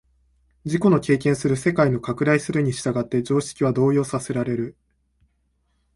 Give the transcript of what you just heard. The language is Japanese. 自己の経験する世界の拡大するに従って常識は動揺させられる。